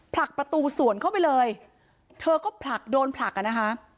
ผลักประตูสวนเข้าไปเลยเธอก็ผลักโดนผลักอ่ะนะคะ